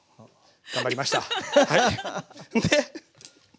頑張りましたはい。